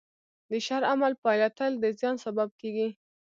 د شر عمل پایله تل د زیان سبب کېږي.